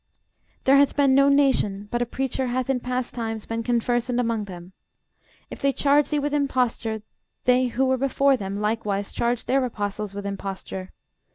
There hath been no nation, but a preacher hath in past times been conversant among them: if they charge thee with imposture, they who were before them likewise charged their apostles with imposture.